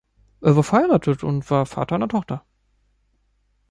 Er war verheiratet und war Vater einer Tochter.